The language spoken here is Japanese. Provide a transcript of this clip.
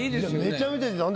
めちゃめちゃ良いです。